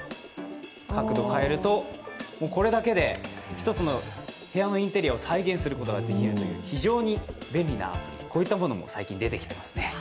角度変えると、これだけで１つの部屋のインテリアを再現することができるという非常に便利な、こういったものも最近出ていますね。